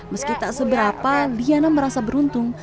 meski tak seberapa liana merasa beruntung